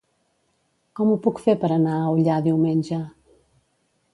Com ho puc fer per anar a Ullà diumenge?